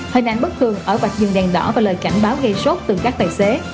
hình ảnh bất thường ở vạch dừng đèn đỏ và lời cảnh báo gây sốt từ các tài xế